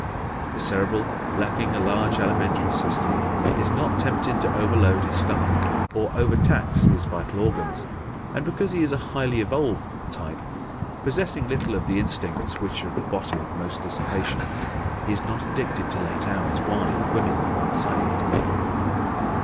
The Cerebral, lacking a large alimentary system, is not tempted to overload his stomach or overtax his vital organs. And because he is a highly evolved type, possessing little of the instincts which are at the bottom of most dissipation, he is not addicted to late hours, wine, women or excitement.